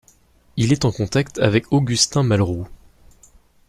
Il est en contact avec Augustin Malroux.